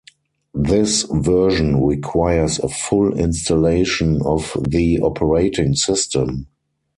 This version requires a full installation of the operating system.